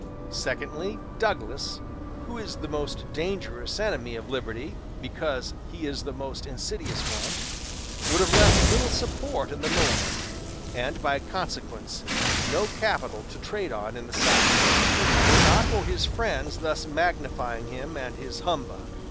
Secondly Douglas (who is the most dangerous enemy of liberty, because the most insidious one) would have little support in the North, and, by consequence, no capital to trade on in the South, if it were not for his friends thus magnifying him and his humbug.